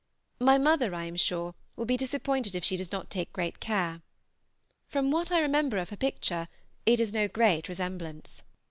My mother, I am sure, will be disappointed if she does not take great care. From what I remember of her picture, it is no great resemblance.